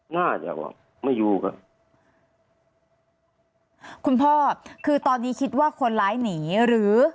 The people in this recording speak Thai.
น่าจะว่าไม่อยู่ครับคุณพ่อคือตอนนี้คิดว่าคนร้ายหนีหรือ